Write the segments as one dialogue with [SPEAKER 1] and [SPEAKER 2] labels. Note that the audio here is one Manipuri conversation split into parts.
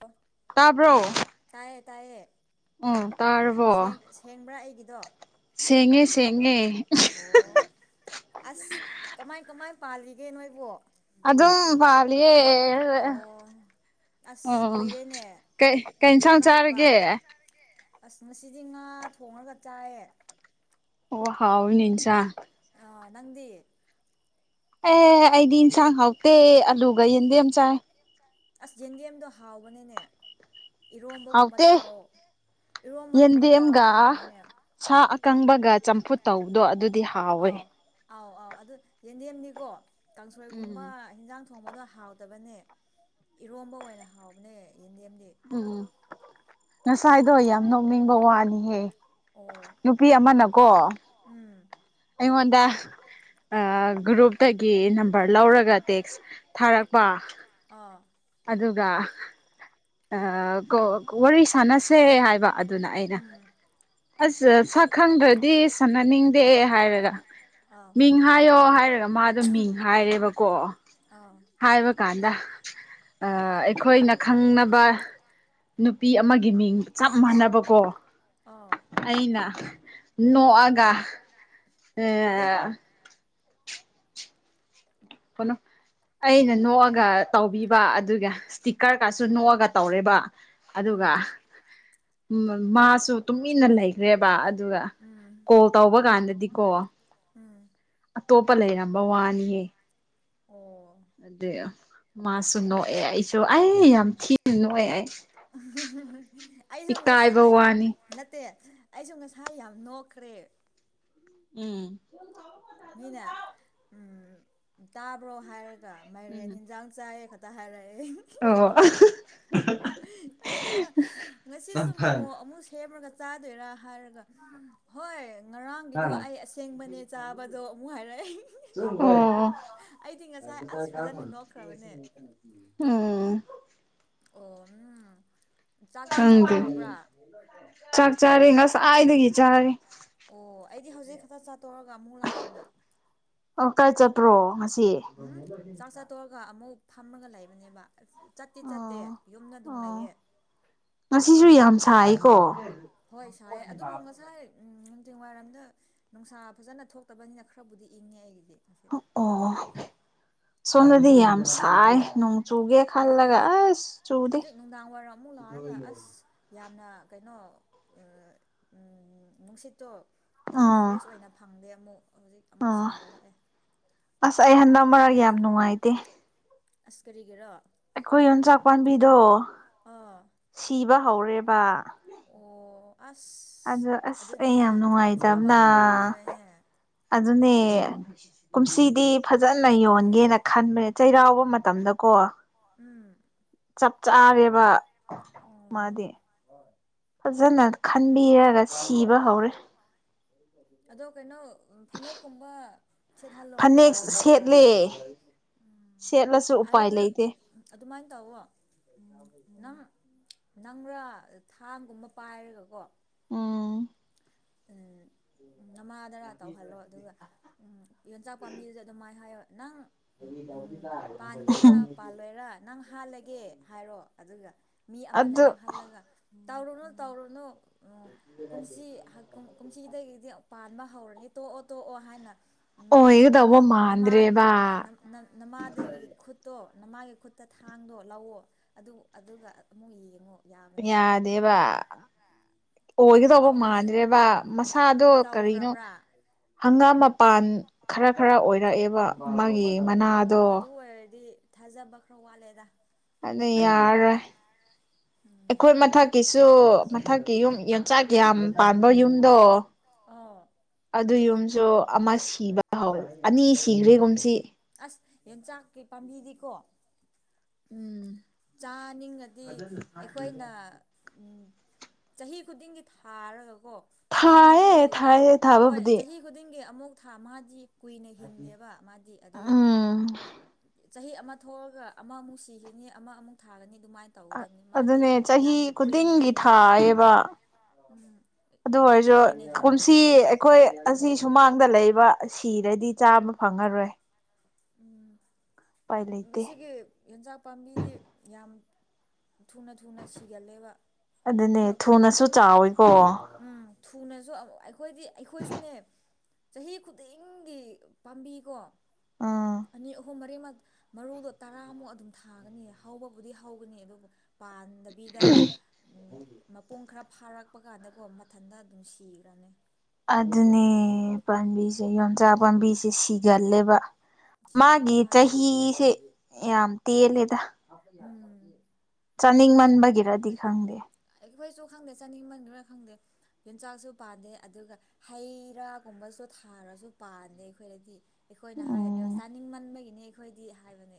[SPEAKER 1] ꯑꯣ
[SPEAKER 2] ꯇꯥꯕ꯭ꯔꯣ
[SPEAKER 1] ꯇꯥꯏꯌꯦ ꯇꯥꯏꯌꯦ
[SPEAKER 2] ꯎꯝ ꯇꯔꯕꯣ
[SPEAKER 1] ꯁꯦꯡ ꯁꯦꯡꯕ꯭ꯔꯥ ꯑꯩꯒꯤꯗꯣ
[SPEAKER 2] ꯁꯦꯡꯉꯦ ꯁꯦꯡꯉꯦ
[SPEAKER 1] ꯑꯣ ꯀꯃꯥꯏꯅ ꯄꯥꯜꯂꯤꯒꯦ ꯅꯣꯏꯕꯨꯣ
[SPEAKER 2] ꯑ ꯑꯗꯨꯝ ꯐꯥꯂꯤꯦ
[SPEAKER 1] ꯑꯣ ꯑꯁ
[SPEAKER 2] ꯑꯣ
[SPEAKER 1] ꯀꯨꯏꯔꯦꯅꯦ
[SPEAKER 2] ꯀꯩ ꯀꯩꯟꯁꯥꯡ
[SPEAKER 1] ꯐꯥꯎꯅꯗꯕ
[SPEAKER 2] ꯆꯥꯔꯒꯦ
[SPEAKER 1] ꯑꯁ ꯉꯁꯤꯗꯤ ꯉꯥ ꯊꯣꯡꯉꯒ ꯆꯥꯏꯌꯦ
[SPEAKER 2] ꯑꯣ ꯍꯥꯎꯥꯎꯅꯤꯟꯁ
[SPEAKER 1] ꯑ ꯅꯪꯗꯤ
[SPEAKER 2] ꯑꯦ ꯑꯩꯗꯤ ꯏꯟꯁꯥꯡ ꯍꯥꯎꯇꯦ ꯑꯂꯨꯒ ꯌꯦꯟꯗꯦ ꯑ ꯆꯥꯏ
[SPEAKER 1] ꯑꯁ ꯌꯦꯟꯗꯦꯝꯗꯣ ꯍꯥꯎꯕꯅꯦꯅꯦ ꯏꯔꯣꯝꯕꯒꯨꯝꯕ
[SPEAKER 2] ꯍꯥꯎꯇꯦ
[SPEAKER 1] ꯆꯥꯎ ꯏꯔꯣꯝꯕꯒꯨꯝꯕ ꯆ ꯍꯥꯎꯕꯅꯦ
[SPEAKER 2] ꯀꯪꯕꯒ ꯆꯝꯐꯨꯠ ꯇꯧꯕꯗꯣ ꯑꯗꯨ
[SPEAKER 1] ꯑꯥꯎ ꯑꯥꯎ ꯑꯥꯎ ꯑꯗꯨ ꯌꯦꯟꯗꯦꯝꯅꯤꯀꯣ
[SPEAKER 2] ꯎꯝ
[SPEAKER 1] ꯀꯥꯡꯁꯣꯏꯒꯨꯝꯕ ꯍꯟꯖꯥꯡ ꯊꯣꯡꯕꯗꯣ ꯍꯥꯎꯇꯕꯅꯦ ꯏꯔꯣꯝꯕ ꯑꯣꯏꯅ ꯍꯥꯎꯕꯅꯦ ꯌꯦꯟꯗꯦꯝꯗꯤ
[SPEAKER 2] ꯎꯝ ꯉꯁꯥꯏꯗꯣ ꯌꯥꯝ ꯅꯣꯛꯅꯤꯡꯕ ꯋꯥꯅꯤꯍꯦ
[SPEAKER 1] ꯑꯣ
[SPEAKER 2] ꯅꯨꯄꯤ ꯑꯃꯅꯀꯣ
[SPEAKER 1] ꯎꯝ
[SPEAKER 2] ꯑꯩꯉꯣꯟꯗ ꯒ꯭ꯔꯨꯞꯇꯒꯤ ꯅꯝꯕꯔ ꯂꯧꯔꯒ ꯇꯦꯛꯁ ꯊꯥꯔꯛꯄ
[SPEAKER 1] ꯑꯥ
[SPEAKER 2] ꯑꯗꯨꯒ ꯋꯥꯔꯤ ꯁꯥꯟꯅꯁꯦ ꯍꯥꯏꯕ ꯑꯗꯨꯅ ꯑꯩꯅ ꯑꯁ ꯁꯛꯈꯪꯗ꯭ꯔꯗꯤ ꯁꯥꯟꯅꯅꯤꯡꯗꯦ ꯍꯥꯏꯔꯒ
[SPEAKER 1] ꯑꯥ
[SPEAKER 2] ꯃꯤꯡ ꯍꯥꯏꯌꯣ ꯍꯥꯏꯔꯒ ꯃꯥꯗꯣ ꯃꯤꯡ ꯍꯥꯏꯔꯦꯕꯀꯣ
[SPEAKER 1] ꯑꯥ
[SPEAKER 2] ꯍꯥꯏꯕ ꯀꯗ ꯑꯩꯈꯣꯏꯅ ꯈꯪꯅꯕ ꯅꯨꯄꯤ ꯑꯃꯒꯤ ꯃꯤꯡ ꯆꯞ ꯃꯥꯟꯅꯕꯀꯣ
[SPEAKER 1] ꯑꯥ
[SPEAKER 2] ꯑꯩꯅ ꯅꯑꯒ ꯑ ꯀꯩꯅꯣ ꯑꯩꯅ ꯅꯣꯛꯑꯒ ꯇꯧꯕꯤꯕ ꯑꯗꯨꯒ ꯏꯁꯇꯤꯛꯀꯔꯒꯁꯨ ꯅꯣꯛꯑꯒ ꯇꯧꯔꯦꯕ ꯑꯗꯨꯒ ꯎ ꯃꯥꯁꯨ ꯇꯨꯃꯤꯟꯅ ꯂꯩꯈ꯭ꯔꯦꯕ ꯑꯗꯨꯒ ꯀꯣꯜ ꯇꯧꯕ ꯀꯥꯟꯗꯗꯤꯀꯣ
[SPEAKER 1] ꯎꯝ
[SPEAKER 2] ꯑꯇꯣꯞꯄ ꯂꯩꯔꯝꯕ ꯋꯥꯅꯤꯌꯦ
[SPEAKER 1] ꯑꯣ
[SPEAKER 2] ꯃꯥꯁꯨ ꯅꯣꯛꯑꯦ ꯑꯩꯁꯨ ꯑꯩ ꯌꯥꯝ ꯊꯤꯅ ꯅꯣꯛꯑꯦ ꯑꯩ
[SPEAKER 1] ꯑꯩꯁꯨꯅ
[SPEAKER 2] ꯏꯀꯥꯏꯕ
[SPEAKER 1] ꯉꯁꯥꯏ
[SPEAKER 2] ꯋꯥꯅꯤ
[SPEAKER 1] ꯅꯠꯇꯦ ꯑꯩꯁꯨ ꯉꯁꯥꯏ ꯌꯥꯝ ꯅꯣꯛꯈ꯭ꯔꯦ
[SPEAKER 2] ꯎꯝ
[SPEAKER 1] ꯃꯤꯅ ꯇꯥꯕ꯭ꯔꯣ ꯍꯥꯏꯔꯒ ꯃꯥꯏꯔꯦꯟ
[SPEAKER 2] ꯎꯝ
[SPEAKER 1] ꯍꯟꯖꯥꯡ ꯆꯥꯏꯌꯦ ꯈꯛꯇ ꯍꯥꯏꯔꯒ
[SPEAKER 2] ꯑꯣ
[SPEAKER 1] ꯉꯁꯤꯁꯨ ꯃꯣꯃꯣ ꯑꯃꯨꯛ ꯁꯦꯝꯃꯒ ꯆꯥꯗꯣꯏꯔꯥ ꯍꯥꯏꯔꯒ ꯍꯣꯏ ꯉꯔꯥꯡꯒꯤꯗꯣ ꯑꯩ ꯑꯁꯦꯡꯕꯅꯦ ꯆꯥꯕ ꯗꯣ ꯑꯃꯨꯛ ꯍꯥꯏꯔꯛꯑꯏ
[SPEAKER 2] ꯑꯣ
[SPEAKER 1] ꯑꯩꯗꯤ ꯉꯁꯥꯏ ꯑꯁ ꯐꯖꯅ ꯅꯣꯛꯈ꯭ꯔꯕꯅꯦ
[SPEAKER 2] ꯎꯝ
[SPEAKER 1] ꯑꯣ ꯎꯝ ꯆꯥꯛꯇꯤ
[SPEAKER 2] ꯍꯪ
[SPEAKER 1] ꯆꯥꯊꯣꯛꯑꯕ꯭ꯔꯥ
[SPEAKER 2] ꯆꯥꯛ ꯆꯥꯔꯦ ꯉꯁꯥꯏꯗꯒꯤ ꯆꯥꯔꯦ
[SPEAKER 1] ꯑꯣ ꯑꯩꯗꯤ ꯍꯧꯖꯤꯛ ꯈꯛꯇ ꯆꯛꯆꯥꯇꯣꯛꯔꯒ ꯑꯃꯨꯛ ꯂꯥꯛꯄꯅꯦ
[SPEAKER 2] ꯑꯣ ꯀꯥꯏ ꯆꯠꯄ꯭ꯔꯣ ꯉꯁꯤ
[SPEAKER 1] ꯎꯝ ꯆꯥꯛ ꯆꯥꯠꯇꯧꯔꯒ ꯑꯃꯨꯛ ꯐꯝꯃꯒ ꯂꯩꯕꯅꯦꯕ ꯆꯠꯇꯦ ꯆꯠꯇꯦ
[SPEAKER 2] ꯑꯣ
[SPEAKER 1] ꯌꯨꯝꯗ ꯑꯗꯨꯝ
[SPEAKER 2] ꯑꯣ
[SPEAKER 1] ꯂꯩꯌꯦ
[SPEAKER 2] ꯉꯁꯤꯁꯨ ꯌꯥꯝ ꯁꯥꯏꯀꯣ
[SPEAKER 1] ꯍꯣꯏ ꯁꯥꯏ ꯑꯗꯨꯕꯨ ꯉꯁꯥꯏ ꯎꯝ ꯆꯖꯤꯡ ꯋꯥꯏꯔꯝꯗ ꯅꯨꯡꯁꯥ ꯐꯖꯅ ꯊꯣꯛꯇꯕꯅꯤꯅ ꯈꯔꯕꯨꯗꯤ ꯏꯪꯉꯦ ꯑꯩꯒꯤꯗꯤ ꯉꯁꯤ
[SPEAKER 2] ꯑꯣ ꯁꯣꯝꯅꯗꯤ ꯌꯥꯝ ꯁꯥꯏ ꯅꯨꯡ ꯆꯨꯒꯦ
[SPEAKER 1] ꯍꯣꯏ
[SPEAKER 2] ꯈꯜꯂꯒ
[SPEAKER 1] ꯑꯗꯨ
[SPEAKER 2] ꯑꯁ ꯆꯨꯗꯦ
[SPEAKER 1] ꯍꯧꯖꯤꯛ ꯅꯨꯡꯗꯥꯡ ꯋꯥꯏꯔꯝ ꯑꯃꯨꯛ ꯂꯥꯛꯑꯒ ꯑꯁ ꯌꯥꯝꯅ ꯀꯩꯅꯣ ꯅꯨꯡꯁꯤꯠ ꯇꯣ ꯌꯥꯝꯅ ꯐ꯭ꯔꯦꯁ ꯑꯣꯏꯅ ꯐꯪꯗꯦ ꯑꯃꯨꯛ ꯍꯧꯖꯤꯛ ꯑꯃꯨꯛ
[SPEAKER 2] ꯑꯣ
[SPEAKER 1] ꯁꯥꯒꯠꯂꯛꯑꯦ
[SPEAKER 2] ꯑꯁ ꯑꯩ ꯍꯟꯗꯛ ꯃꯔꯥ ꯌꯥꯝ ꯅꯨꯡꯉꯥꯏꯇꯦ
[SPEAKER 1] ꯑꯁ ꯀꯔꯤꯒꯤꯔꯣ
[SPEAKER 2] ꯑꯈꯣꯏ ꯏꯟ ꯆꯣꯡꯆꯥꯛ ꯄꯥꯝꯕꯤꯗꯨ
[SPEAKER 1] ꯑꯥ
[SPEAKER 2] ꯁꯤꯕ ꯍꯧꯔꯦꯕ
[SPEAKER 1] ꯑꯣ ꯑꯁ
[SPEAKER 2] ꯑꯗꯣ ꯑꯁ ꯑꯩ
[SPEAKER 1] ꯑꯗꯨꯗꯤ
[SPEAKER 2] ꯌꯥꯝ
[SPEAKER 1] ꯆꯥꯕ
[SPEAKER 2] ꯅꯨꯡꯉꯥꯏꯇꯕꯅ
[SPEAKER 1] ꯑꯃꯨꯛ ꯐꯪꯉꯔꯣꯏꯅꯦ
[SPEAKER 2] ꯑꯗꯨꯅꯦ ꯀꯨꯝꯁꯤꯗꯤ ꯐꯖꯅ ꯌꯣꯟꯒꯦꯅ ꯈꯟꯕꯅꯦ ꯆꯩꯔꯥꯎꯕ ꯃꯇꯝꯗꯀꯣ
[SPEAKER 1] ꯎꯝ
[SPEAKER 2] ꯆꯞ ꯆꯥꯔꯦꯕ
[SPEAKER 1] ꯑꯣ
[SPEAKER 2] ꯃꯥꯗꯤ ꯐꯖꯅ ꯈꯟꯕꯤꯔꯒ ꯁꯤꯕ ꯍꯧꯔꯦ
[SPEAKER 1] ꯑꯗꯣ ꯀꯩꯅꯣ ꯐꯅꯦꯛꯀꯨꯝꯕ ꯁꯦꯠꯍꯜꯂꯣ
[SPEAKER 2] ꯐꯅꯦꯛ ꯁꯦꯠꯂꯦ ꯁꯦꯠꯂꯁꯨ
[SPEAKER 1] ꯑꯗꯨ
[SPEAKER 2] ꯎꯄꯥꯏ ꯂꯩꯇꯦ
[SPEAKER 1] ꯑꯗꯨꯃꯥꯏꯅ ꯇꯧꯋꯣ ꯅꯪ ꯅꯪꯔꯥ ꯊꯥꯡꯒꯨꯝꯕ ꯄꯥꯏꯔꯒꯀꯣ
[SPEAKER 2] ꯎꯝ
[SPEAKER 1] ꯅꯃꯥꯗꯔꯥ ꯇꯧꯍꯜꯂꯣ ꯑꯗꯨꯒ ꯌꯣꯟꯆꯥꯛ ꯄꯥꯝꯕꯤꯗꯨꯗ ꯑꯗꯨꯃꯥꯏꯅ ꯍꯥꯏꯌꯣ ꯅꯪ ꯎꯝ ꯄꯥꯟꯒꯦꯔꯥ ꯄꯥꯜꯂꯣꯏꯔ ꯅꯪ ꯍꯥꯜꯂꯒꯦ ꯍꯥꯏꯔꯣ ꯑꯗꯨꯒ ꯃꯤ ꯑꯃꯅ
[SPEAKER 2] ꯑꯗꯨ
[SPEAKER 1] ꯂꯦꯞꯍꯜꯂꯒ ꯇꯧꯔꯨꯅꯨ ꯇꯧꯔꯨꯅꯨ ꯀꯨꯝꯁꯤ
[SPEAKER 2] [inaudible]
[SPEAKER 1] ꯀꯨꯝꯁꯤꯗꯒꯤꯗꯤ ꯄꯥꯟꯕ ꯍꯧꯔꯅꯤ ꯇꯣꯛꯑꯣ ꯇꯣꯛꯑꯣ ꯍꯥꯏꯅ
[SPEAKER 2] ꯑꯣꯏꯒꯗꯧꯕ
[SPEAKER 1] ꯅꯪ ꯅꯃꯥꯒꯤ
[SPEAKER 2] ꯃꯥꯟꯗ꯭ꯔꯦꯕ
[SPEAKER 1] ꯅꯃꯥꯗꯒꯤ ꯈꯨꯠꯇꯣ ꯅꯃꯥꯒꯤ ꯈꯨꯠꯇ ꯊꯥꯡꯗꯣ ꯂꯧꯑꯣ ꯑꯗꯨ ꯑꯗꯨꯒ ꯑꯃꯨꯛ ꯌꯦꯡꯉꯣ ꯌꯥꯕꯅꯦ
[SPEAKER 2] ꯌꯥꯗꯦꯕ
[SPEAKER 1] ꯑꯃꯨꯛ
[SPEAKER 2] ꯑꯣꯏꯒꯗꯧꯕ
[SPEAKER 1] ꯇꯧ ꯑꯁꯤ
[SPEAKER 2] ꯃꯥꯟꯗ꯭ꯔꯦꯕ ꯃꯁꯥꯗꯣ ꯀꯔꯤꯅꯣ
[SPEAKER 1] ꯇꯧꯈ꯭ꯔꯕ꯭ꯔꯥ
[SPEAKER 2] ꯍꯪꯒꯥꯝ ꯃꯄꯥꯟ ꯈꯔ ꯈꯔ ꯑꯣꯏꯔꯛꯑꯦꯕ ꯃꯥꯒꯤ ꯃꯅꯥꯗꯣ
[SPEAKER 1] ꯑꯣ ꯑꯗꯨ ꯑꯣꯏꯔꯗꯤ ꯊꯥꯖꯕ ꯈꯔ ꯋꯥꯠꯂꯦꯗ
[SPEAKER 2] ꯑꯗꯣ ꯌꯥꯔꯥꯔꯣꯏ
[SPEAKER 1] ꯎꯝ
[SPEAKER 2] ꯑꯩꯈꯣꯏ ꯃꯊꯛꯀꯤꯁꯨ ꯃꯊꯛꯀꯤ ꯌꯨꯝ ꯌꯣꯟꯆꯥꯛ ꯌꯥꯝ ꯄꯥꯟꯕ ꯌꯨꯝꯗꯣ
[SPEAKER 1] ꯑꯥ
[SPEAKER 2] ꯑꯗꯨ ꯌꯨꯝꯁꯨ ꯑꯃ ꯁꯤꯕ ꯍꯧꯋꯦ ꯑꯅꯤ ꯁꯤꯈ꯭ꯔꯦꯒꯨꯝꯁꯤ
[SPEAKER 1] ꯑꯁ ꯌꯦꯟꯆꯥꯛꯀꯤ ꯄꯥꯝꯕꯤꯗꯤꯀꯣ
[SPEAKER 2] ꯎꯝ
[SPEAKER 1] ꯆꯥꯅꯤꯡꯉꯗꯤ ꯑꯩꯈꯣꯏꯅ ꯆꯍꯤ ꯈꯨꯗꯤꯡꯒꯤ ꯊꯥꯔ ꯀꯣ ꯃꯥꯗꯤ
[SPEAKER 2] ꯊꯥꯏꯌꯦ ꯊꯥꯏꯌꯦ
[SPEAKER 1] ꯍꯣꯏ
[SPEAKER 2] ꯊꯥꯕꯕꯨꯗꯤ
[SPEAKER 1] ꯆꯍꯤ ꯈꯨꯗꯤꯡꯒꯤ ꯑꯃꯨꯛ ꯊꯥ ꯃꯥꯗꯤ ꯀꯨꯏꯅ ꯍꯤꯡꯒꯦꯕ ꯃꯥꯗꯤ ꯑꯗꯨꯒꯤ
[SPEAKER 2] ꯎꯝ
[SPEAKER 1] ꯆꯍꯤ ꯑꯃ ꯊꯣꯛꯑꯒ ꯑꯃꯃꯨꯛ ꯁꯤꯈꯤꯅꯤ ꯑꯃ ꯑꯃꯨꯛ ꯊꯥꯒꯅꯤ ꯑꯗꯨꯃꯥꯏꯅ ꯇꯧꯒꯗꯕꯅꯤ ꯃꯥꯗꯤ
[SPEAKER 2] ꯑꯗꯨꯅꯦ ꯆꯍꯤ
[SPEAKER 1] ꯌꯥꯝ ꯀꯨꯏꯅ
[SPEAKER 2] ꯈꯨꯗꯤꯡꯒꯤ
[SPEAKER 1] ꯍꯤꯡꯗꯦꯕ
[SPEAKER 2] ꯊꯥꯏꯌꯦꯕ
[SPEAKER 1] ꯎꯝ
[SPEAKER 2] ꯑꯗꯨ
[SPEAKER 1] ꯃꯥꯗꯤ
[SPEAKER 2] ꯑꯣꯏꯔꯁꯨ
[SPEAKER 1] ꯀꯨꯏꯅ ꯍꯤꯡꯗꯦ
[SPEAKER 2] ꯀꯨꯝꯁꯤ ꯑꯩꯈꯣꯏ ꯑꯁꯤ ꯁꯨꯃꯥꯡꯗ ꯂꯩꯕ ꯁꯤꯔꯗꯤ ꯆꯥꯃ ꯐꯪꯉꯔꯣꯏ
[SPEAKER 1] ꯎꯝ
[SPEAKER 2] ꯎꯄꯥꯏ ꯂꯩꯇꯦ
[SPEAKER 1] ꯃꯁꯤꯒꯤ ꯌꯦꯟꯖꯥꯛ ꯄꯥꯝꯕꯤꯗꯤ ꯌꯥꯝ ꯊꯨꯅ ꯊꯨꯅ ꯁꯤꯒꯜꯂꯦꯕ
[SPEAKER 2] ꯑꯗꯨꯅꯦ
[SPEAKER 1] ꯑꯣ
[SPEAKER 2] ꯊꯨꯅꯁꯨ
[SPEAKER 1] ꯑꯗꯨꯝ
[SPEAKER 2] ꯆꯥꯎꯋꯤꯀꯣ
[SPEAKER 1] ꯎꯝ ꯊꯨꯅꯁꯨ ꯑꯩꯈꯣꯏꯗꯤ ꯑꯩꯈꯣꯏꯁꯨꯅꯦ ꯆꯍꯤ ꯈꯨꯗꯤꯡꯒꯤ ꯄꯥꯝꯕꯤꯀꯣ
[SPEAKER 2] ꯑꯥ
[SPEAKER 1] ꯑꯅꯤ ꯑꯍꯨꯝ ꯃꯔꯤ ꯃꯔꯨꯗꯣ ꯇꯔꯥꯃꯨꯛ ꯑꯗꯨꯝ ꯊꯥꯒꯅꯤ ꯍꯧꯕꯕꯨꯗꯤ ꯍꯧꯒꯅꯤ ꯑꯗꯨꯕꯨ ꯄꯥꯟꯗꯕꯤꯗ ꯃꯄꯨꯡ ꯈꯔ ꯐꯥꯔꯛꯄ ꯀꯥꯟꯗꯀꯣ ꯃꯊꯟꯇ ꯑꯗꯨꯝ ꯁꯤꯈ꯭ꯔꯅꯤ
[SPEAKER 2] ꯑꯗꯨꯅꯦ ꯄꯥꯝꯕꯤꯁꯦ ꯌꯣꯟꯆꯥꯛ ꯄꯥꯝꯕꯤꯁꯦ ꯁꯤꯒꯜꯂꯦꯕ
[SPEAKER 1] ꯁꯤꯒꯜꯂꯦ
[SPEAKER 2] ꯃꯥꯒꯤ
[SPEAKER 1] ꯃꯥꯗꯤ
[SPEAKER 2] ꯆꯍꯤꯁꯦ ꯌꯥꯝ ꯇꯦꯜꯂꯦꯗ
[SPEAKER 1] ꯎꯝ
[SPEAKER 2] ꯆꯥꯅꯤꯡꯃꯟꯕꯒꯤꯔꯗꯤ ꯈꯪꯗꯦ
[SPEAKER 1] ꯑꯩꯈꯣꯏꯁꯨ ꯈꯪꯗꯦ ꯆꯅꯤꯡ ꯃꯟꯗꯨꯅ ꯈꯪꯗꯦ ꯌꯦꯟꯆꯥꯛꯁꯨ ꯄꯥꯗꯦ ꯑꯗꯨꯒ ꯍꯩ ꯔꯥꯒꯨꯝꯕꯁꯨ ꯊꯥꯔꯁꯨ ꯄꯥꯟꯗꯦ ꯑꯩꯈꯣꯏꯗꯗꯤ ꯑꯩꯈꯣꯏꯅ ꯍꯥꯏꯔꯅꯦ ꯑ
[SPEAKER 2] ꯎꯝ
[SPEAKER 1] ꯆꯥꯅꯤꯡꯃꯟꯕꯒꯤꯅꯦ ꯑꯩꯈꯣꯏꯗꯤ ꯍꯥꯏꯕꯅꯦ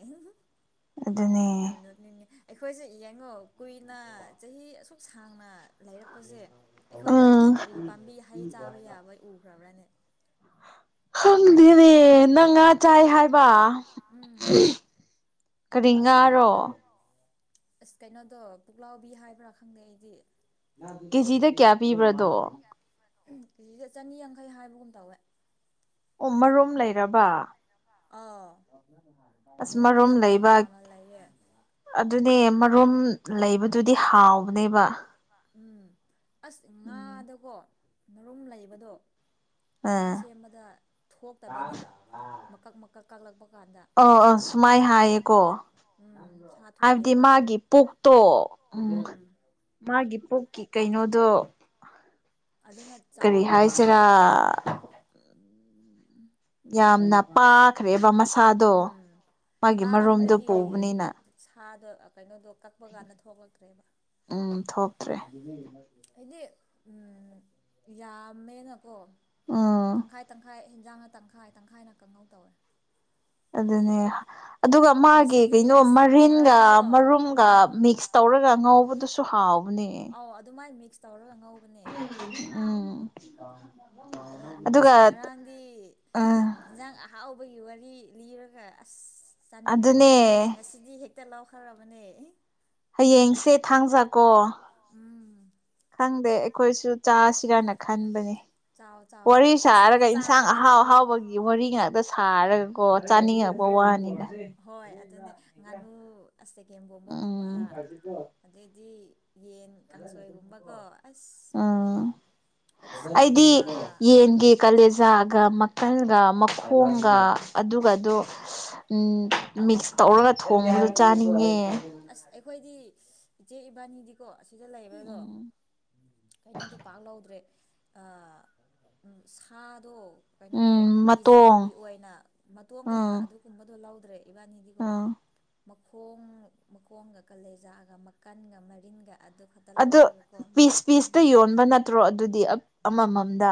[SPEAKER 2] ꯑꯗꯨꯅꯦ
[SPEAKER 1] ꯌꯥꯝ ꯅꯅꯦ ꯑꯩꯈꯣꯏꯁꯨꯦ ꯏ ꯌꯦꯉꯣ ꯀꯨꯏꯅ ꯆꯍꯤ ꯑꯁꯨꯛ ꯁꯥꯡꯅ ꯂꯩꯔꯛꯄꯁꯦ ꯑꯩꯈꯣꯏꯗ
[SPEAKER 2] ꯎꯝ
[SPEAKER 1] ꯀꯔꯤ ꯄꯥꯝꯕꯤ ꯍꯩ ꯆꯥꯕ ꯌꯥꯕ ꯎꯈ꯭ꯔꯕ꯭ꯔꯅꯦ
[SPEAKER 2] ꯈꯪꯗꯦꯅꯦ ꯅꯪ ꯉꯥ ꯆꯥꯏ ꯍꯥꯏꯕ
[SPEAKER 1] ꯎꯝ
[SPEAKER 2] ꯀꯔꯤ ꯉꯥꯔꯣ
[SPEAKER 1] ꯑꯁ ꯀꯩꯅꯣꯗꯣ ꯄꯨꯛꯂꯥꯎꯕꯤ ꯍꯥꯏꯕ꯭ꯔꯥ ꯈꯪꯗꯦ ꯑꯩꯗꯤ
[SPEAKER 2] ꯀꯦꯖꯤꯗ ꯀꯌꯥ ꯄꯤꯕ꯭ꯔꯗꯣ
[SPEAKER 1] ꯀꯖꯤꯗ ꯆꯅꯤ ꯌꯥꯡꯈꯩ ꯍꯥꯏꯕꯒꯨꯝ ꯇꯧꯋꯦ
[SPEAKER 2] ꯎꯃꯔꯣꯝ ꯂꯩꯔꯕ
[SPEAKER 1] ꯑꯥꯎ
[SPEAKER 2] ꯑꯁ
[SPEAKER 1] ꯃꯔꯨꯝꯗꯤ
[SPEAKER 2] ꯃꯔꯨꯝ
[SPEAKER 1] ꯌꯥꯝ ꯆꯥ
[SPEAKER 2] ꯂꯩꯕ
[SPEAKER 1] ꯆꯥꯅ ꯂꯩꯌꯦꯦ
[SPEAKER 2] ꯑꯗꯨꯅꯦ ꯃꯔꯨꯝ ꯂꯩꯕꯗꯨꯗꯤ ꯍꯥꯎꯕꯅꯦꯕ
[SPEAKER 1] ꯎꯝ ꯑꯁ
[SPEAKER 2] ꯎꯝ
[SPEAKER 1] ꯉꯥꯗꯀꯣ ꯃꯔꯨꯝ ꯂꯩꯕꯗꯣ ꯉꯥ
[SPEAKER 2] ꯑꯥ
[SPEAKER 1] ꯁꯦꯝꯕꯗ ꯊꯣꯛꯇꯕꯅꯦ ꯃꯀꯛ ꯃꯀꯛ ꯀꯥꯛꯛꯄ
[SPEAKER 2] ꯑꯥ ꯑꯥ ꯁꯨꯃꯥꯏ ꯍꯥꯏꯌꯦꯀꯣ
[SPEAKER 1] ꯎꯝ ꯁꯥ
[SPEAKER 2] ꯍꯥꯏꯕꯗꯤ
[SPEAKER 1] ꯊꯣꯛꯇꯦꯕ
[SPEAKER 2] ꯃꯥꯒꯤ ꯄꯨꯛꯇꯣ ꯎꯝ ꯃꯥꯒꯤ ꯄꯨꯛꯀꯤ ꯀꯩꯅꯣꯗꯣ
[SPEAKER 1] ꯑꯗꯨꯅ
[SPEAKER 2] ꯀꯔꯤ
[SPEAKER 1] ꯆꯥꯎꯕꯅꯦꯕ
[SPEAKER 2] ꯍꯥꯏꯁꯤꯔꯥ ꯌꯥꯝꯅ ꯄꯥꯈ꯭ꯔꯦꯕ ꯃꯁ
[SPEAKER 1] ꯎꯝ ꯄꯥꯍꯟꯕꯒꯤ
[SPEAKER 2] ꯄꯨꯕꯅꯤꯅ
[SPEAKER 1] ꯁꯥꯗꯣ ꯀꯩꯅꯣꯗꯣ ꯀꯛꯄ ꯀꯥꯟꯗ ꯊꯣꯛꯂꯛꯇ꯭ꯔꯦꯕ
[SPEAKER 2] ꯠꯇ꯭ꯔꯦ
[SPEAKER 1] ꯍꯥꯏꯗꯤ ꯎꯝ ꯌꯥꯝꯃꯦꯅꯀꯣ
[SPEAKER 2] ꯎꯝ
[SPEAKER 1] ꯇꯪꯈꯥꯏ-ꯇꯪꯈꯥꯏ꯫ ꯍꯤꯟꯖꯥꯡꯅ ꯇꯪꯈꯥꯏ ꯇꯪꯈꯥꯏꯅ ꯀꯪꯍꯧ ꯇꯧꯋꯦ꯫
[SPEAKER 2] ꯑꯗꯨꯅꯦ꯫ ꯑꯗꯨꯒ ꯃꯥꯒꯤ
[SPEAKER 1] ꯉꯁꯤꯗꯤ
[SPEAKER 2] ꯀꯩꯅꯣ
[SPEAKER 1] ꯑꯁ
[SPEAKER 2] ꯃꯔꯤꯟꯒ
[SPEAKER 1] ꯉꯔꯥꯡꯗꯣ
[SPEAKER 2] ꯃꯔꯨꯝꯒ
[SPEAKER 1] ꯎꯝ
[SPEAKER 2] ꯃꯤꯛꯁ ꯇꯧꯔꯒ ꯉꯧꯕꯗꯨꯁꯨ ꯍꯥꯎ ꯕꯅꯦ
[SPEAKER 1] ꯑꯧ ꯑꯗꯨꯃꯥꯏꯅ ꯃꯤꯛꯁ ꯇꯧꯔꯒ ꯉꯧꯕꯅꯦ꯫
[SPEAKER 2] ꯎꯝ
[SPEAKER 1] ꯑꯗ ꯑꯁ
[SPEAKER 2] ꯑꯗꯨꯒ
[SPEAKER 1] ꯉꯔꯥꯡꯗꯤ
[SPEAKER 2] ꯑꯥ
[SPEAKER 1] ꯍꯤꯟꯖꯥꯡ ꯑꯍꯥꯎ ꯕꯒꯤ ꯋꯥꯔꯤ ꯂꯤꯔꯒ ꯑꯁ ꯆꯥꯅꯤꯡꯈ꯭ꯔꯦ
[SPEAKER 2] ꯑꯗꯨꯅꯦ
[SPEAKER 1] ꯑꯗꯩ ꯉꯁꯤꯗꯤ ꯍꯦꯛ ꯇꯂꯥꯎ ꯈꯔꯃꯅꯦ꯫
[SPEAKER 2] ꯍꯌꯦꯡꯁꯦ ꯊꯥꯡꯖꯥꯀꯣ
[SPEAKER 1] ꯎꯝ
[SPEAKER 2] ꯈꯪꯗꯦ ꯑꯩꯈꯣꯏꯁꯨ ꯆꯥꯁꯤꯔꯥꯅ ꯈꯟꯕꯅꯤ꯫
[SPEAKER 1] ꯆꯥꯎ ꯆꯥꯎ
[SPEAKER 2] ꯋꯥꯔꯤ
[SPEAKER 1] ꯑꯁ
[SPEAKER 2] ꯁꯥꯔꯒ ꯏꯟꯁꯥꯡ
[SPEAKER 1] ꯆꯥꯕ
[SPEAKER 2] ꯑꯍꯥꯎ
[SPEAKER 1] ꯌꯥꯔꯦꯍꯦ
[SPEAKER 2] ꯑꯍꯥꯎꯕꯒꯤ ꯋꯥꯔꯤ ꯉꯥꯛꯇ ꯁꯥꯔꯒꯀꯣ꯫ ꯆꯥꯅꯤꯡꯉꯛꯄ
[SPEAKER 1] ꯎꯝ
[SPEAKER 2] ꯋꯥꯅꯤꯗ꯫
[SPEAKER 1] ꯍꯣꯏ ꯑꯗꯨꯅꯦ ꯉꯥꯅꯨ ꯑꯁ ꯁꯒꯦꯝꯕꯣꯝꯕꯒꯨꯝꯕ
[SPEAKER 2] ꯎꯝ
[SPEAKER 1] ꯑꯗꯩꯗꯤ ꯌꯦꯟ ꯀꯥꯡꯁꯣꯏꯒꯨꯝꯕꯀꯣ ꯑꯁ꯫
[SPEAKER 2] ꯎꯝ ꯑꯩꯗꯤ
[SPEAKER 1] ꯑꯣꯛꯁꯥꯒꯨꯝꯕ
[SPEAKER 2] ꯌꯦꯟꯒꯤ ꯀꯥꯂꯦꯖꯥꯒ ꯃꯈꯜꯒ ꯃ ꯈꯣꯡꯒꯥ ꯑꯗꯨꯒꯗꯣ ꯝ ꯃꯤꯛꯁ ꯇꯧꯔꯒ ꯊꯣꯡꯕꯗꯨ ꯆꯥꯅꯤꯡꯉꯦ꯫
[SPEAKER 1] ꯑꯈꯣꯏꯗꯤ ꯏꯆꯦ ꯏꯕꯥꯅꯤꯗꯤꯀꯣ ꯑꯁꯤꯗ ꯂꯩꯕꯗꯣ
[SPEAKER 2] ꯎꯝ
[SPEAKER 1] ꯀꯩꯅꯣꯗꯣ ꯄꯥꯛ ꯂꯧꯗ꯭ꯔꯦ꯫ ꯑ ꯁꯥꯗꯣ ꯀꯩꯅꯣꯗꯣ
[SPEAKER 2] ꯎꯝ ꯃꯇꯣꯡ
[SPEAKER 1] ꯀꯦꯖꯤꯒꯤ ꯑꯣꯏꯅ ꯃꯇꯣꯟ ꯀꯩꯀꯥ
[SPEAKER 2] ꯎꯝ
[SPEAKER 1] ꯑꯗꯨꯒꯨꯝꯕꯗꯣ ꯂꯧ ꯏꯕꯥꯅꯤꯗꯤꯀꯣ
[SPEAKER 2] ꯎꯝ
[SPEAKER 1] ꯃꯈꯣꯡ ꯃꯈꯣꯡꯒ ꯀꯜꯂꯦꯖꯥꯑꯒ ꯃꯀꯟꯒ ꯃꯔꯤꯟꯒ ꯑꯗꯨ ꯈꯛꯇ
[SPEAKER 2] ꯑꯗꯨ
[SPEAKER 1] ꯂꯧꯔꯒꯀꯣ
[SPEAKER 2] ꯄꯤꯁ ꯄꯤꯁꯇ ꯌꯣꯟꯕ ꯅꯠꯇ꯭ꯔꯣ ꯑꯗꯨꯗꯤ ꯑꯃꯃꯝꯗꯥ꯫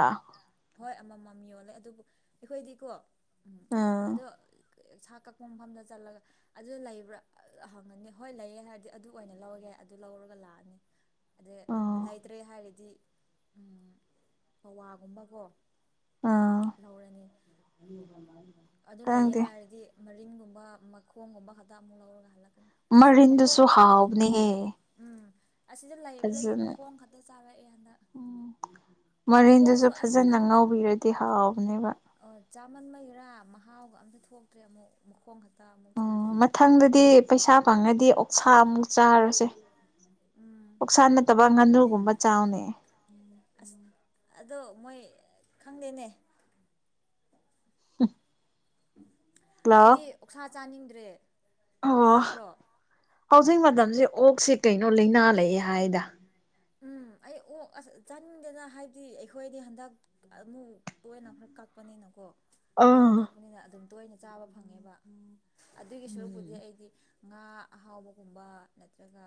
[SPEAKER 1] ꯍꯣꯏ ꯑꯃꯃꯝ ꯌꯣꯜꯂꯦ ꯑꯗꯨꯕꯨ ꯑꯩꯈꯣꯏꯗꯤꯀꯣ ꯎꯝ
[SPEAKER 2] ꯑꯥ
[SPEAKER 1] ꯑꯗꯣ ꯁꯥ ꯀꯛꯄ ꯃꯐꯝꯗ ꯆꯠꯂꯒ ꯑꯗꯨ ꯂꯩꯕ꯭ꯔꯥ ꯍꯪꯉꯅꯤ ꯍꯣꯏ ꯂꯩꯌꯦ ꯍꯥꯏꯔꯗꯤ ꯑꯗꯨ ꯑꯣꯏꯅ ꯂꯧꯒꯦ꯫ ꯑꯗꯨ ꯂꯧꯔꯒ ꯂꯥꯛꯑꯅꯤ꯫ ꯑꯗ
[SPEAKER 2] ꯑꯣ
[SPEAKER 1] ꯂꯩꯇ꯭ꯔꯦ ꯍꯥꯏꯔꯗꯤ ꯄꯋꯥꯒꯨꯝꯕꯀꯣ
[SPEAKER 2] ꯑꯥ
[SPEAKER 1] ꯂꯧꯔꯅꯤ꯫ ꯑꯗꯨ ꯂꯩꯌꯦ
[SPEAKER 2] ꯈꯪꯗꯦ
[SPEAKER 1] ꯍꯥꯏꯔꯗꯤ ꯃꯔꯤꯟꯒꯨꯝꯕ ꯃꯈꯣꯡꯒꯨꯝꯕ ꯈꯛꯇ ꯑꯃꯨꯛ ꯂꯧꯔꯒ ꯍꯜꯂꯛ
[SPEAKER 2] ꯃꯔꯤꯟꯗꯨꯁꯨ ꯍꯥꯎꯕꯅꯦ ꯍꯦ꯫
[SPEAKER 1] ꯎꯝ ꯑꯁꯤꯗ ꯂꯩꯕꯗꯒꯤ ꯃꯈꯣꯡ ꯈꯛꯇ ꯆꯥꯔꯛꯑꯦ ꯍꯟꯗꯛ꯫
[SPEAKER 2] ꯎꯝ ꯃꯔꯤꯟꯗꯨꯁꯨ
[SPEAKER 1] ꯃꯈꯣꯡꯁꯨ ꯑꯁ
[SPEAKER 2] ꯐꯖꯅ
[SPEAKER 1] ꯈꯪꯗꯦ
[SPEAKER 2] ꯉꯧꯕꯤꯔꯗꯤ ꯍꯥꯎꯕꯅꯦꯕ꯫
[SPEAKER 1] ꯑꯣ ꯆꯥꯃꯟꯕꯒꯤꯔꯥ ꯃꯍꯥꯎꯒ ꯑꯝꯇ ꯊꯣꯛꯇ꯭ꯔꯦ ꯑꯃꯨꯛ ꯃꯈꯣꯡ ꯈꯛ
[SPEAKER 2] ꯑꯣ ꯃꯊꯪꯗꯗꯤ ꯄꯩꯁꯥ ꯐꯪꯔꯗꯤ ꯑꯣꯛꯁꯥ ꯑꯃꯨꯛ ꯆꯥꯔꯁꯦ꯫
[SPEAKER 1] ꯎꯝ
[SPEAKER 2] ꯑꯣꯛꯁꯥ ꯅꯠꯇꯕ ꯉꯥꯅꯨꯒꯨꯝꯕ ꯆꯥꯎꯅꯦ꯫
[SPEAKER 1] ꯑꯁ ꯑꯗꯣ ꯃꯣꯏ ꯈꯪꯗꯦꯅꯦ꯫
[SPEAKER 2] [unintelligible] ꯍꯜꯂꯣ
[SPEAKER 1] ꯑꯩꯗꯤ ꯑꯣꯛꯁꯥ ꯆꯥꯅꯤꯡꯗ꯭ꯔꯦ
[SPEAKER 2] ꯑꯣ
[SPEAKER 1] ꯇꯥꯕ꯭ꯔꯣ꯫
[SPEAKER 2] ꯍꯧꯖꯤꯛ ꯃꯇꯝꯁꯦ ꯑꯣꯛꯁꯤ ꯀꯩꯅꯣ ꯂꯩꯅꯥ ꯂꯩꯑꯦ ꯍꯥꯏꯗ꯫
[SPEAKER 1] ꯎꯝ ꯑꯩ ꯑꯣꯛ ꯑꯁ ꯆꯥꯅꯤꯡꯗꯦꯅ ꯍꯥꯏꯕꯗꯤ ꯑꯩꯈꯣꯏꯗꯤ ꯍꯟꯗꯛ ꯑꯃꯨꯛ ꯇꯣꯏꯅ ꯈꯔ ꯀꯛꯄꯅꯤꯅꯀꯣ꯫ ꯇꯣꯏꯅ
[SPEAKER 2] ꯑꯥ
[SPEAKER 1] ꯀꯛꯄꯅꯤꯅ ꯑꯗꯨꯝ ꯇꯣꯏꯅ ꯆꯥꯕ ꯐꯪꯉꯦꯕ ꯎꯝ ꯑꯗꯨꯒꯤ ꯁꯔꯨꯛꯄꯨꯗꯤ
[SPEAKER 2] ꯎꯝ
[SPEAKER 1] ꯑꯩꯗꯤ ꯉꯥ ꯑꯍꯥꯎꯕꯒꯨꯝꯕ ꯅꯠꯇ꯭ꯔꯒ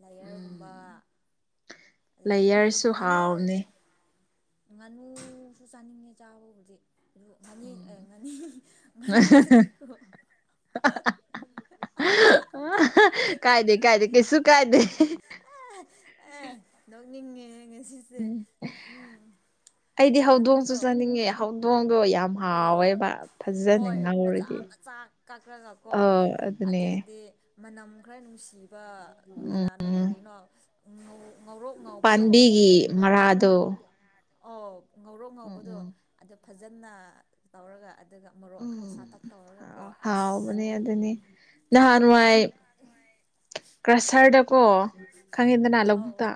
[SPEAKER 1] ꯂꯥꯏꯌꯔꯒꯨꯝꯕ
[SPEAKER 2] ꯎꯝ
[SPEAKER 1] ꯑꯗꯨꯗꯩꯗꯤ
[SPEAKER 2] ꯂꯩꯌꯔꯁꯨ
[SPEAKER 1] ꯉꯥꯅꯨ
[SPEAKER 2] ꯍꯥꯎꯕꯅꯤ꯫
[SPEAKER 1] ꯉꯥꯅꯨꯁꯨ ꯆꯥꯅꯤꯡꯉꯦ ꯆꯥꯕꯕꯨꯗꯤ꯫ ꯑꯗꯨ ꯉꯅꯤ
[SPEAKER 2] ꯎꯝ
[SPEAKER 1] ꯉꯅꯤ ꯉꯥꯅꯨꯗꯤꯀꫭ
[SPEAKER 2] ꯀꯥꯏꯗꯦ-ꯀꯥꯏꯗꯦ ꯀꯩꯁꯨ ꯀꯥꯏꯗꯦ꯫
[SPEAKER 1] ꯑꯦ ꯅꯣꯛꯅꯤꯡꯉꯦ ꯉꯁꯤꯁꯦ ꯎꯝ꯫
[SPEAKER 2] ꯑꯩꯗꯤ ꯍꯧꯗꯣꯡꯁꯨ
[SPEAKER 1] ꯉꯥꯅꯨꯗꯣ
[SPEAKER 2] ꯆꯥꯅꯤꯡꯉꯦ ꯍꯧꯗꯣꯡ ꯌꯥꯝ
[SPEAKER 1] ꯑꯣ
[SPEAKER 2] ꯍꯥꯎꯋꯦꯕ
[SPEAKER 1] ꯍꯣꯏ ꯃꯆꯥ
[SPEAKER 2] ꯐꯖꯅꯤꯡꯅꯍꯔꯗꯤ
[SPEAKER 1] ꯃꯆꯥ ꯀꯛꯂꯒ ꯀꯣ
[SPEAKER 2] ꯑ ꯑꯗꯨꯅꯦ
[SPEAKER 1] ꯑꯗꯨꯗꯤ ꯃꯅꯝ ꯈꯔ ꯅꯨꯡꯁꯤꯕ
[SPEAKER 2] ꯎꯝ
[SPEAKER 1] ꯀꯅꯥꯅꯣ ꯀꯔꯤꯅꯣꯧ
[SPEAKER 2] ꯄꯥꯝꯕꯤꯒꯤ ꯃꯔꯥꯗꯣ
[SPEAKER 1] ꯑꯣ ꯉꯧꯔꯣ
[SPEAKER 2] ꯎꯝ
[SPEAKER 1] ꯉꯧꯕꯗꯣ
[SPEAKER 2] ꯎꯝ
[SPEAKER 1] ꯑꯗꯨ ꯐꯖꯅ ꯇꯧꯔꯒ ꯑꯗꯨꯒ ꯃꯣꯔꯣꯛ ꯈꯔ ꯁꯥꯥꯇꯛ
[SPEAKER 2] ꯎꯝ
[SPEAKER 1] ꯇꯧꯔꯒ ꯀꯣ ꯑꯁ ꯍꯥꯎꯕꯅꯦ
[SPEAKER 2] ꯅꯍꯥꯟꯅꯉꯥꯏ ꯀ꯭ꯔꯁꯔꯗ ꯀꯣ ꯈꯪꯍꯦꯟꯗꯅ
[SPEAKER 1] ꯑꯥꯎ
[SPEAKER 2] ꯂꯧꯕꯨꯛꯇ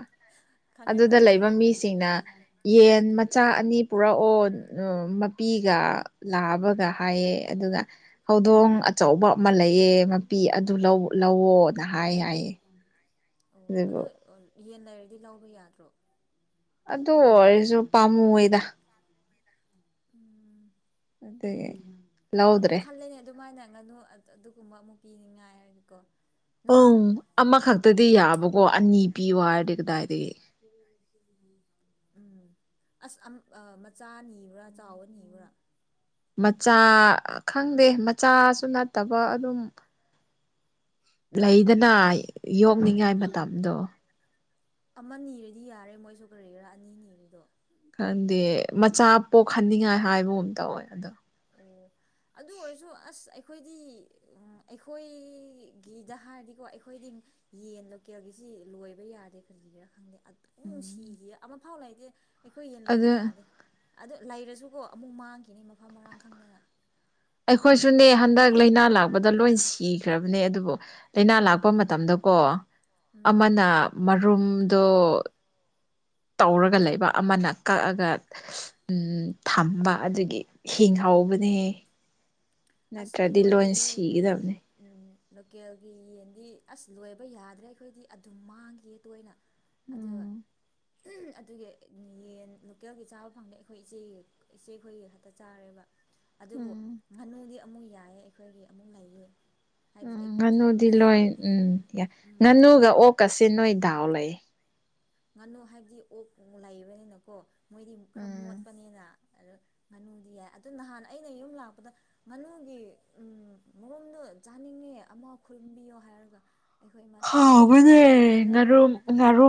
[SPEAKER 1] ꯈꯪꯉꯦ
[SPEAKER 2] ꯑꯗꯨꯗ
[SPEAKER 1] ꯈꯪꯉꯦ
[SPEAKER 2] ꯂꯩꯕ ꯃꯤꯁꯤꯡꯅ ꯌꯦꯟ ꯃꯆꯥ ꯑꯅꯤ ꯄꯨꯔꯛ ꯑꯣ ꯃꯄꯤꯒ ꯂꯥꯛꯕꯒ ꯍꯥꯏꯌꯦ ꯑꯗꯨꯒ ꯍꯧꯗꯣꯡ
[SPEAKER 1] ꯎꯝ
[SPEAKER 2] ꯑꯆꯧꯕ ꯑꯃ ꯂꯩꯑꯦ ꯃꯄꯤ ꯑꯗꯨ ꯂꯧꯑꯣꯣꯅ ꯍꯥꯏ ꯍꯥꯏꯌꯦꯦ
[SPEAKER 1] ꯑꯣ ꯑꯗꯨꯗꯣ ꯌꯦꯟ ꯂꯩꯔꯗꯤ ꯂꯧꯕ ꯌꯥꯗ꯭ꯔꯣ
[SPEAKER 2] ꯑꯗꯨ ꯑꯣꯏꯔꯁꯨ ꯄꯥꯝꯃꯨꯣꯏꯗ
[SPEAKER 1] ꯎꯝ
[SPEAKER 2] ꯑ
[SPEAKER 1] ꯑꯃꯨꯛ ꯈꯜꯂꯅꯦ ꯑꯗꯨꯃꯥꯏꯅ ꯉꯥꯅꯨ ꯑꯗꯨꯒꯨꯝꯕ ꯑꯃꯨꯛ ꯄꯤꯅꯤꯡꯉꯥꯏ ꯍꯥꯏꯔꯒꯦꯀꯣ
[SPEAKER 2] ꯑꯪ ꯑꯃꯈꯛꯇꯗꯤ ꯌꯥꯕꯀꯣ ꯑꯅꯤ ꯄꯤꯌꯣ ꯍꯥꯏꯔꯗꯤ ꯀꯗꯥꯏꯗꯒꯤ
[SPEAKER 1] ꯎꯝ ꯑꯁ ꯃꯆꯥ ꯅꯤꯕ꯭ꯔꯥ ꯆꯥꯎꯕ ꯅꯤꯕ꯭ꯔꯥ
[SPEAKER 2] ꯃꯆꯥ ꯈꯪꯗꯦ ꯃꯆꯥꯁꯨ ꯅꯠꯇꯕ ꯑꯗꯨꯝ ꯂꯩꯗꯅ ꯌꯣꯛꯅꯤꯡꯉꯥꯏ
[SPEAKER 1] ꯎꯝ
[SPEAKER 2] ꯃꯇꯝꯗꯣ
[SPEAKER 1] ꯑꯃ ꯅꯤꯔꯗꯤ ꯌꯥꯔꯦ ꯃꯣꯏꯁꯨ ꯀꯔꯤꯒꯔꯥ ꯑꯅꯤ ꯅꯤꯔꯤꯗꯣ
[SPEAKER 2] ꯈꯪꯗꯦ ꯃꯆꯥ ꯄꯣꯛꯍꯟꯅꯤꯡꯉꯥꯏ ꯍꯥꯏꯕꯒꯨꯝ ꯇꯧꯋꯦ ꯑꯗꯣ
[SPEAKER 1] ꯑꯣ ꯑꯗꯨ ꯑꯣꯏꯔꯁꯨ ꯑꯁ ꯑꯩꯈꯣꯏꯗꯤ ꯑꯩꯈꯣꯏꯒꯤꯗ ꯍꯥꯏꯔꯗꯤꯀꯣ ꯑꯩꯈꯣꯏꯗꯤ ꯌꯦꯟ ꯂꯣꯀꯦꯜꯒꯤꯁꯤ ꯂꯣꯏꯕ ꯌꯥꯔꯦ ꯀꯔꯤꯒꯤꯔꯥ ꯈꯪꯗꯦ ꯑꯗꯨꯝ ꯅꯨꯡꯁꯤꯈꯤ ꯑꯃꯐꯥꯎ ꯂꯩꯗꯦ ꯑꯩꯈꯣꯏ ꯌꯦꯟ ꯂꯣꯏꯕ
[SPEAKER 2] ꯑꯗ
[SPEAKER 1] ꯌꯥꯗꯦ ꯑꯗꯣ ꯂꯩꯔꯁꯨꯀꯣ ꯑꯃꯨꯛ ꯃꯥꯡꯈꯤꯅꯤ ꯃꯐꯝ ꯃꯔꯥꯡꯛꯇ
[SPEAKER 2] ꯑꯩꯈꯣꯏꯁꯨꯅꯦ ꯍꯟꯗꯛ
[SPEAKER 1] ꯑꯩꯈꯣꯏꯗꯤ
[SPEAKER 2] ꯂꯥꯏꯅꯥ ꯂꯥꯛꯄꯗ ꯂꯣꯏ ꯁꯤꯈ꯭ꯔꯕꯅꯦ ꯑꯗꯨꯕꯨ ꯂꯥꯏꯅꯥ ꯂꯥꯛꯄ ꯃꯇꯝꯗꯀꯣ
[SPEAKER 1] ꯎꯝ
[SPEAKER 2] ꯑꯃꯅ ꯃꯔꯨꯝꯗꯣ ꯇꯧꯔꯒ ꯂꯩꯕꯥꯛ ꯑꯃꯅ ꯀꯛꯑꯒ ꯊꯝꯕ ꯑꯗꯨꯒꯤ ꯍꯤꯡ ꯍꯥꯎꯕꯅꯦ
[SPEAKER 1] ꯑꯁ
[SPEAKER 2] ꯅꯠꯇ꯭ꯔꯗꯤ ꯂꯣꯏ
[SPEAKER 1] ꯑꯩꯈꯣꯏꯒꯤꯗꯤ
[SPEAKER 2] ꯁꯤꯒꯗꯕꯅꯦ
[SPEAKER 1] ꯎꯝ ꯂꯣꯀꯦꯜꯒꯤ ꯌꯦꯟꯗꯤ ꯑꯁ ꯂꯣꯏꯕ ꯌꯥꯗ꯭ꯔꯦ ꯑꯩꯈꯣꯏꯗꯤ ꯑꯗꯨꯝ ꯃꯥꯡꯈꯤꯌꯦ ꯇꯣꯏꯅ ꯑꯗꯨꯒ
[SPEAKER 2] ꯎꯝ
[SPEAKER 1] ꯑꯗꯨꯒꯤ ꯌꯦꯟ ꯂꯣꯀꯦꯜꯒꯤ ꯆꯥꯕ ꯐꯪꯗꯦ ꯑꯩꯈꯣꯏ ꯏꯆꯦꯒꯤ ꯏꯆꯦ ꯑꯩꯈꯣꯏꯒꯤ ꯈꯛꯇ ꯆꯥꯔꯦꯕ ꯑꯗꯨꯕꯨ
[SPEAKER 2] ꯎꯝ
[SPEAKER 1] ꯉꯥꯅꯨꯗꯤ ꯑꯃꯨꯛ ꯌꯥꯏꯌꯦ ꯑꯩꯈꯣꯏꯒꯤ ꯑꯃꯨꯛ ꯂꯩꯌꯦ ꯍꯥꯏꯕꯗꯤ
[SPEAKER 2] ꯎꯝ
[SPEAKER 1] ꯑꯩꯈꯣꯏꯗꯤ
[SPEAKER 2] ꯉꯥꯅꯨꯗꯤ ꯂꯣꯏ ꯎꯝ ꯌꯥ
[SPEAKER 1] ꯎꯝ
[SPEAKER 2] ꯉꯥꯅꯨꯒ ꯑꯣꯛꯀꯁ ꯅꯣꯏ ꯗꯥꯎ ꯂꯩ
[SPEAKER 1] ꯉꯥꯅꯨ ꯍꯥꯏꯕꯗꯤ ꯑꯣꯛ ꯂꯩꯕꯅꯤꯅꯀꯣ ꯃꯣꯏꯗꯤ ꯈꯔ
[SPEAKER 2] ꯎꯝ
[SPEAKER 1] ꯃꯣꯠꯄꯅꯤꯅ ꯑ ꯉꯥꯅꯨꯗꯤ ꯌꯥꯏ ꯑꯗꯨ ꯅꯍꯥꯟ ꯑꯩꯅ ꯌꯨꯝ ꯂꯥꯛꯄꯗ ꯉꯥꯅꯨꯒꯤ ꯎꯝ ꯃꯔꯣꯗꯣ ꯆꯥꯅꯤꯡꯉꯦ ꯑꯃ ꯈꯨꯔꯨꯝꯕꯤꯌꯣ ꯍꯥꯏꯔꯒ ꯑꯩꯈꯣꯏ ꯏꯃꯥꯅ ꯑꯁ
[SPEAKER 2] ꯍꯒꯅꯦ
[SPEAKER 1] ꯌꯥꯔꯔꯣꯏ
[SPEAKER 2] ꯉꯔꯝ ꯉꯔ